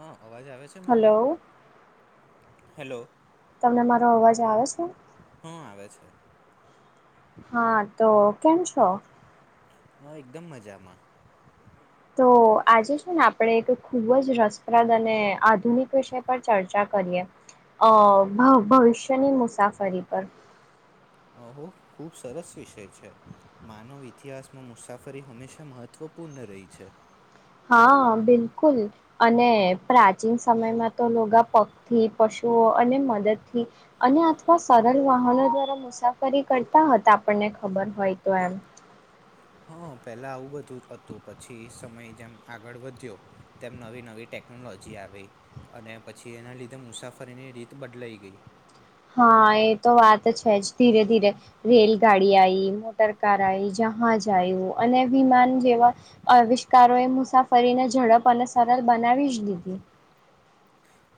અ અવાજ આવે છે મારો હલો હેલો તમને મારો અવાજ આવે છે હા આવે છે હા તો કેમ છો હ એકદમ મજામાં તો આજે છેું ને આપણે એક ખૂબ જ રસપ્રદ અને આધુનિક વિષય પર ચર્ચા કરીએ અ ભવિષ્યની મુસાફરી પર ઓહો ખુબ સરસ વિષય છે માનવ ઈતિહાસમાં મુસાફરી હંમેશા મહત્વપૂર્ણ રહી છે હા બિલકુલ અને પ્રાચીન સમયમાં તો લોગા પગથી પશુઓ અને મદદથી અને અથવા સરળ વાહનો દ્વારા મુસાફરી કરતા હતા આપણને ખબર હોય તો એમ હ પહેલાં આવું બધું જ હતું પછી સમય જેમ આગળ વધ્યો તેમ નવી નવી ટેકનોલોજી આવી અને પછી એના લીધે મુસાફરીની રીત બદલાઈ ગઈ હા એ તો વાત છે જ ધીરે ધીરે રેલગાડી આવી મોટર કાર આવી જહાજ આવ્યું અને વિમાન જેવા આવવિષ્કારો એ મુસાફરીને ઝડપ અને સરળ બનાવી જ દીધી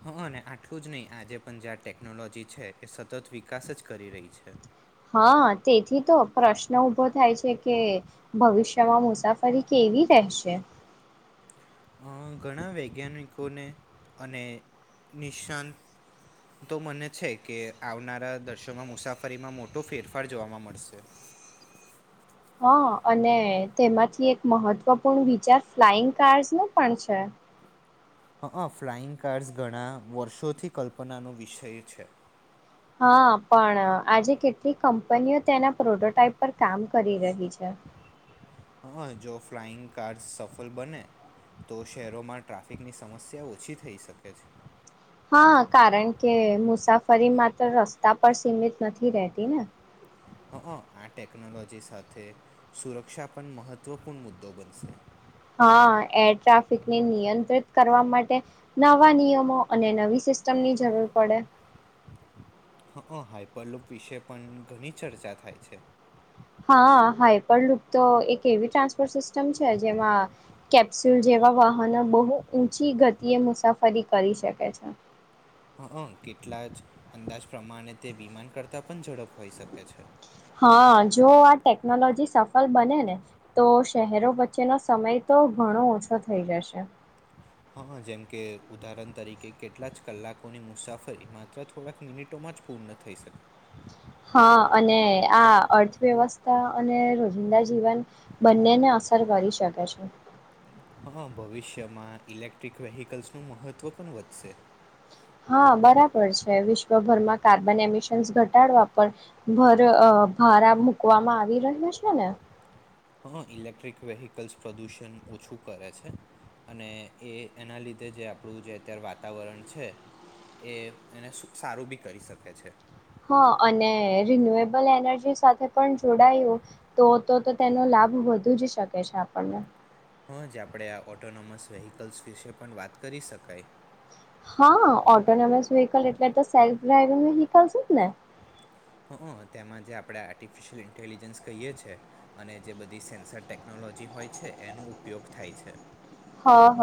હા અને આટલું જ નહીં આજે પણ જ્યાં ટેકનોલોજી છે એ સતત વિકાસ જ કરી રહી છે હા તેથી તો પ્રશ્ન ઉભો થાય છે કે ભવિષ્યમાં મુસાફરી કેવી રહેશે ઘણા વૈજ્ઞાનિકોને અને નિશાનતો મને છે કે આવનારા દર્શોમાં મુસાફરીમાં મોટો ફેરફાર જોવા મળશે હા અને તેમાંથી એક મહત્વપૂર્ણ વિચાર ફ્લાઈંગ કાર્સ નો પણ છે હઅ ફ્લાઈંગ કાર્ડ્સ ઘણા વર્ષોથી કલ્પનાનો વિષય છે હા પણ આજે કેટલી કંપનીઓ તેના પ્રોટોટાઈપ પર કામ કરી રહી છે હા જો ફ્લાઈંગ કાર્સ સફળ બને તો શહેરોમાં ટ્રાફિકની સમસ્યા ઓછી થઈ શકે છે હા કારણ કે મુસાફરી માત્ર રસ્તા પર સીમિત નથી રહેતી ને હઅ આ ટેકનોલોજી સાથે સુરક્ષા પણ મહત્વપૂર્ણ મુદ્દો બનશે હા એર ટ્રાફિકને નિયંત્રિત કરવા માટે નવા નિયમો અને નવી સિસ્ટમની જરૂર પડે હા હાઈપરલુપ વિશે પણ ઘણી ચર્ચા થાય છે હા હાઈપર લુક તો એક એવી ટ્રાન્સપોર્ટ સિસ્ટમ છે જેમાં કેપ્સ્યુલ જેવા વાહનો બહુ ઊંચી ગતિએ મુસાફરી કરી શકે છે હઅ કેટલા જ અંદાજ પ્રમાણે તે વિમાન કરતાં પણ ઝડપ હોઈ શકે છે હા જો આ ટેકનોલોજી સફળ બને ને તો શહેરો વચ્ચેનો સમય તો ઘણો ઓછો થઈ જશે હઅ જેમ કે ઉદાહરણ તરીકે કેટલા જ કલાકોની મુસાફરી માત્ર થોડાક મિનિટોમાં જ પૂર્ણ થઈ શકે હા અને આ અર્થવ્યવસ્થા અને રોજિંદા જીવન બંનેને અસર કરી શકે છે હઅ ભવિષ્યમાં ઇલેક્ટ્રિક વેહકલ્સનું મહત્ત્વ પણ વધશે હા બરાબર છે વિશ્વભરમાં કાર્બન એમિશન ઘટાડવા પર ભર ભારા મકવામાં આવી રહ્યો છે ને હઅ ઇલેક્ટ્રિક વેહીકલ્સ પ્રદૂષણ ઓછું કરે છે અને એ એના લીધે જે આપણું જે અત્યારે વાતાવરણ છે એ એને સારું બી કરી શકે છે હ અને રિન્યુએબલ એનર્જી સાથે પણ જોડાયું તો તો તો તેનો લાભ વધુ જ શકે છે આપણને હં જ આપણે આ ઓઑટોનોમસ વ્હીકલ્સ વિશે પણ વાત કરી શકાય હ ઓટોનોમસ વ્હકલ એટલે તો સેલ્ફ ડ્રાઈવિંગ વ્હકલસ જ ને હઅ તેમાં જે આપણે આર્ટિફિશયલ ઇન્ટેલિજન્સ કહીએ છ છે અને જે બધી સેન્સર ટેકનોલોજી હોય છે એનો ઉપયોગ થાય છે હ હ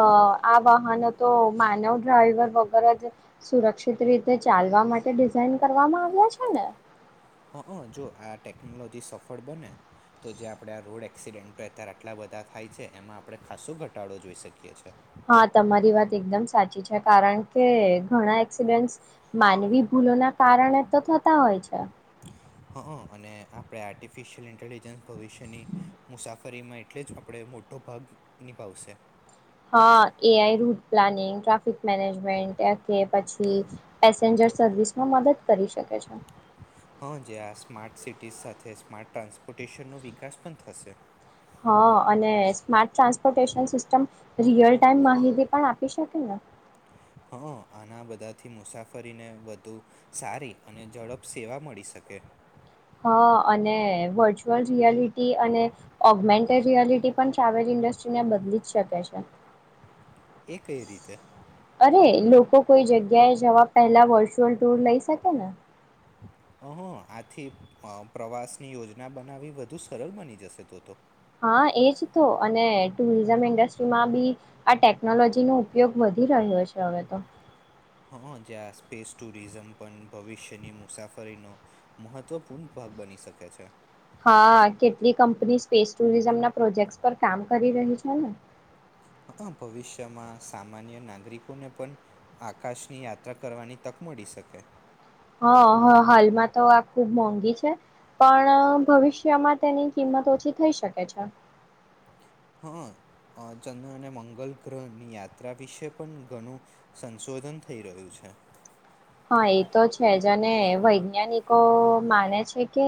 આ વાહનો તો માનવ ડ્રાઈવર વગર જ સુરક્ષિત રીતે ચાલવા માટે ડિઝાઇન કરવામાં આવ્યા છે ને હં હં જો આ ટેકનોલોજી સફળ બને તો જે આપણે આ રોડ એક્સિડેન્ટો અત્યારે આટલા બધા થાય છે એમાં આપણે ખાસો ઘટાડો જોઈ શકીએ છીએ. હા તમારી વાત એકદમ સાચી છે કારણ કે ઘણા એક્સિડન્ટ માનવી ભૂલો ના કારણે તો થતા હોય છે. હ અને આપ આર્ટિફિશયલ ઇન્ટલજસ ભવિષ્યની મુસાફરીમાં એટલે જ આપણે મોટો ભાગ નિભાવશે. હા AI route planning traffic management કે પછી પેસેન્જર સર્વિસમાં મદદ કરી શકે છે આજે આ સ્માર્ટ સિટીઝ સાથે સ્માર્ટ ટ્રાન્સપોર્ટેશનનો વિકાસ પણ થશે હા અને smart transportation system real time માહિતી પણ આપી શકે ને હ આના બધાથી મુસાફરીને વધુ સારી અને ઝડપ સેવા મળી શકે હા અને વર્ચ્યુઅલ રિયાલિટી અને ઓગમેન્ટેડ રિયાલિટી પણ ટ્રાવેલ ઇન્ડસ્ટ્રીને બદલી જ શકે છે. એ કઈ રીતે, અરે લોકો કોઈ જગ્યાએ જવા પહેલા વર્ચ્યુઅલ ટુર લઈ શકે ને [inaudible] હુ આથી પ્રવાસની યોજના બનાવી વધુ સરળ બની જશે તો તો. હા એજ તો અને ટુરિઝમ ઇન્ડસ્ટ્રીમાં ભી આ ટેકનોલોજીનો ઉપયોગ વધી રહ્યો છે હવે તો. હા જ્યાં સ્પેસ ટુરિઝમ પણ ભવિષ્યની મુસાફરીનો મહત્વપૂર્ણ ભાગ બની શકે છે. હા કેટલી કંપની સ્પેસ ટુરિઝમના પ્રોજેક્ટ પર કામ કરી રહી છે ને. હઅ ભવિષ્યમાં સામાન્ય નાગરિકોને પણ આકાશની યાત્રા કરવાની તક મળી શકે. હા હાલમાં તો આ ખૂબ મોંઘી છે પણ ભવિષ્યમાં તેની કિંમત ઓછી થઈ શકે છે. હા ચંદ્ર અને મંગલ ગ્રહની યાત્રા વિશે પણ ઘણું સંશોધન થઈ રહ્યું છે. હા, એ તો છે જ અને વૈજ્ઞાનિકો માને છે કે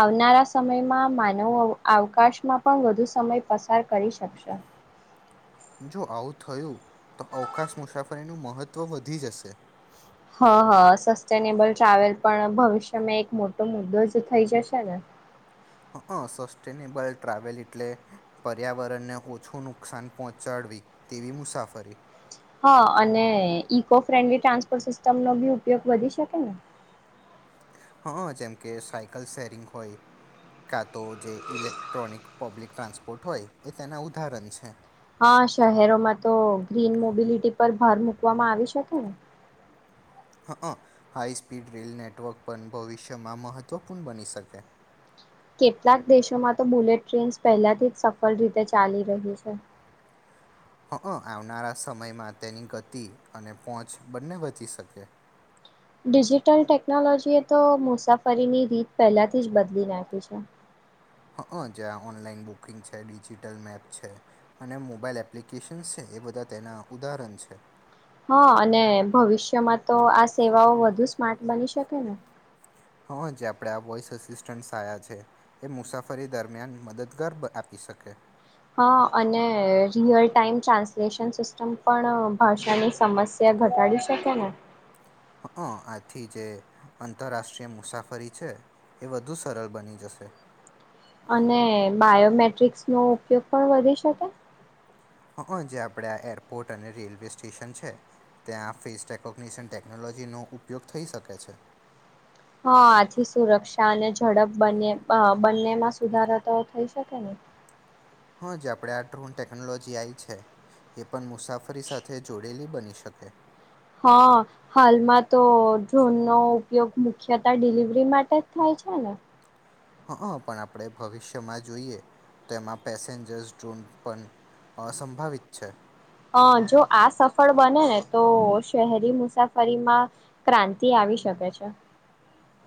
આવનારા સમયમાં માનવો આવકાશમાં પણ વધુ સમય પસાર કરી શકશે. જો આવું થયું તો અવકાશ મુસાફરીનું મહત્વ વધી જશે. હ હા સસ્ટેનેબલ ટ્રાવેલ પણ ભવિષ્યમાં એક મોટો મુદ્દો જ થઈ જશે ને. હ હ સસ્ટેનેબલ ટ્રાવેલ એટલે પર્યાવરણને ઓછું નુકસાન પહોંચાડવી તેવી મુસાફરી હા, અને ઈકો ફ્રેન્ડલી ટ્રાન્સપોર્ટ સિસ્ટમનો ભી ઉપયોગ વધી શકે ને. હા, જેમકે સાયકલ સેરિંગ હોય, કા તો જે ઇલેક્ટ્રોનિક પબ્લિક ટ્રાન્સપોર્ટ હોય એ તેના ઉદાહરણ છે. હા, શહેરોમાં તો ગ્રીન મોબિલિટી પર ભાર મૂકવામાં આવી શકે ને. હ હ હાઈસ્પીડ રેલ નેટવર્ક પણ ભવિષ્યમાં મહત્વપૂર્ણ બની શકે. કેટલાક દેશોમાં તો બુલેટ ટ્રેન્સ પહેલાથી જ સફળ રીતે ચાલી રહી છે. હ હ આવનારા સમયમાં તેની ગતિ અને પહોંચ બંને બચી શકે. ડિજિટલ ટેકનોલોજીએ તો મુસાફરીની રીત પહેલાથી જ બદલી નાખી છે. હ જ્યાં ઓનલાઈન બુકિંગ છે ડિજિટલ મેપ છે અને મોબાઈલ એપ્લિકેશન્સ છે એ બધા તેના ઉદાહરણ છે. હા અને ભવિષ્યમાં તો આ સેવાઓ વધુ સ્માર્ટ બની શકે ને. હ જે આપે આ વોસ અસિસ્ટન્ટ સાયા છે એ મુસાફરી દરમિયાન મદદગાર આપી શકે. હા અને રિયલ ટાઈમ ટ્રાન્સલેશન સિસ્ટમ પણ ભાષાની સમસ્યા ઘટાડી શકે ને. હ આથી જે આંતરરાષ્ટ્રીય મુસાફરી છે એ વધુ સરળ બની જશે. અને બાયોમેટ્રિક્સ નો ઉપયોગ પણ વધી શકે. હં જે આપણે આ એરપોર્ટ અને રેલવે સ્ટેશન છે ત્યાં ફેસ રેકોગ્નિઝન ટેકનોલોજીનો ઉપયોગ થઈ શકે છે. હા આથી સુરક્ષા અને ઝડપ બને બંનેમાં સુધારા તો થઈ શકેને. હા જે આપણેે આ ડ્રોન ટેક્નોલોજી આવી છે એ પણ મુસાફરી સાથે જોડેલી બની શકે. હા હાલમાં તો ડ્રોનનોો ઉપયોગ મુખ્યત ડિલિવરી માટે જ થાય છે ને. હા હ પણ આપણે ભવિષ્યમાં જોઈએ તો એમાં પેસેન્જર્સ ડ્રોન પણ સંભવિત છે. હ જો આ સફળ બને ને તો શહેરી મુસાફરીમાં ક્રાંતિ આવી શકે છે.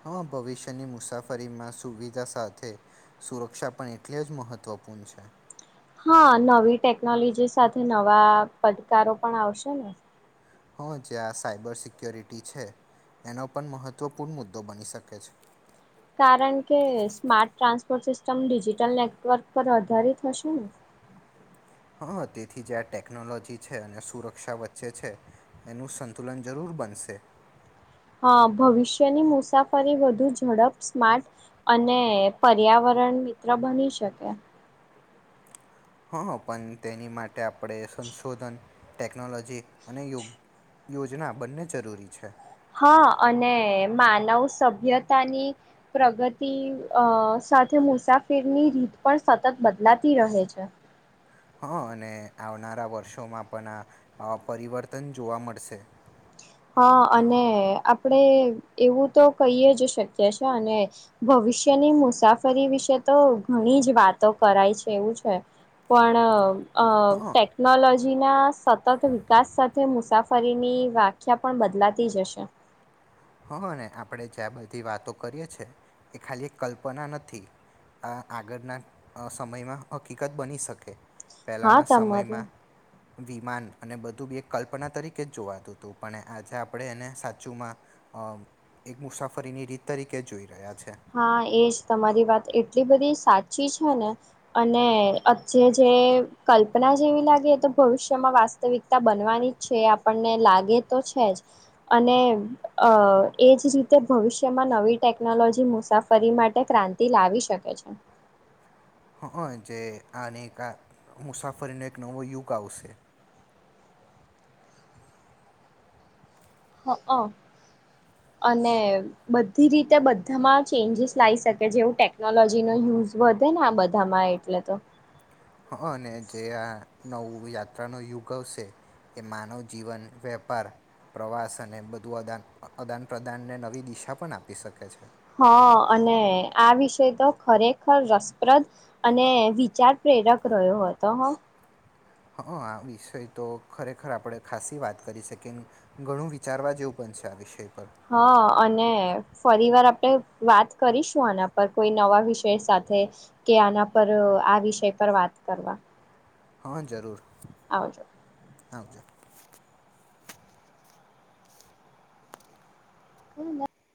હા ભવિષ્યની મુસાફરીમાં સુવિધા સાથે સુરક્ષા પણ એટલી જ મહત્વપૂર્ણ છે. હા નવી ટેકનોલોજી સાથે નવા પડકારો પણ આવશે ને હ જ્યા આ સાયબર સિક્યોરિટી છે એનો પણ મહત્ત્વપૂર્ણ મુદ્દો બની શકે છે. કારણ કે smart transport system digital network પર આધાર હશે ને હા તેથી જે આ ટેકનોલોજી છે અને સુરક્ષા વચ્ચે છે એનું સંતુલન જરૂર બનશે. હા ભવિષ્યની મુસાફરી વધુ ઝડપ સ્માર્ટ અને પર્યાવરણ મિત્ર બની શકે હા પણ તેની માટે આપણે સંશોધન ટેકનોલોજી અનેયો યોજના બંને જરૂરી છે. હા અને માનવ સભ્યતાની પ્રગતિ અ સાથે મુસાફિરની રીત પણ સતત બદલાતી રહે છે. હા અને આવનારા વર્ષોમાં પણ આ પરિવર્તન જોવા મળશે. હ અને આપણેે એવું તો કહીએ જ શકીએીએ અને ભવિષ્યની મુસાફરી વિશે તો ઘણી જ વાતો કરાય છે એવું છે પણ અ હં ટેકનોલોજી જીનાસ સતત વિકાસ સાથે મુસ સાફારીની વાગ ખ્યા પણ બદલાતીજ હશે. હ ને આપણે જે આ બધી વાતો કરીએ છે એ ખાલી એક કલ્પના નથી આ આગળના સમયમાં હકીકત બની શકે. હા પહેલાંના તમારે સમયમાં વિમાન અને બધું બી એક કલ્પના તરીકે જ જોવાતું હતું પણ આજે આપણે એને સાચુંમાં અ એક મુસાફરીની રીત તરીકે જોઈએ. હા એજ તમારી વાત એટલી બધી સાચી છે ને અને જે જે કલ્પના જેવી લાગે એ તો ભવિષ્યમાં વાસ્તવિકતા બનવાની જ છે આપણને લાગે તો છે જ અને અ એજ રીતે ભવિષ્યમાં નવી ટેકનોલોજી મુસાફરી માટે ક્રાંતિ લાવી શકે છે. હ જે આની આ મુસાફરીનો એક નવો યુગ આવશે. હ અ અને બધી રીતે બધામાં ચેન્જીસ લાવી શકે જેવું ટેકનોલોજીનો યુઝ વધે ને આ બધામાં એટલે તો. હ અને જે આ નવું યાત્રા ન યુગ આવશે એ માનવ જીવન વેપાર પ્રવાસ અને બધું અદાન આદાન પ્રદાનને નવી દિશા પણ આપી શકે છે. હા અને આ વિષય તો ખરેખર રસપ્રદ અને વિચાર પ્રેરક રહ્યો હતો હ. હા આ વિષય તો ખરેખર આપણે ખાસી વાત કરી શકી ઘણું વિચારવા જેવું પણ છે આ વિષય. પર હા અને ફરી વાર આપ ડે વાત કરીશું આના પર કોઈ નવા વિષય સાથે કે આના પર આ વિષય પર વાત કરવા. હા જરૂર. આવજો. આવજો. [unintelligible]